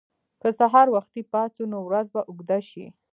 که سهار وختي پاڅو، نو ورځ به اوږده شي.